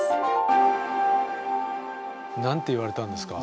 何て言われたんですか？